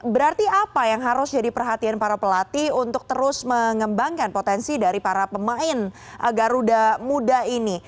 berarti apa yang harus jadi perhatian para pelatih untuk terus mengembangkan potensi dari para pemain garuda muda ini